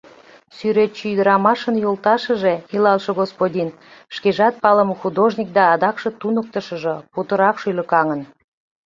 Сӱретче-ӱдырамашын йолташыже, илалше господин, шкежат палыме художник да адакше туныктышыжо, путырак шӱлыкаҥын.